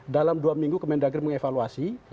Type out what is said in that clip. dalam dua minggu kemendagri mengevaluasi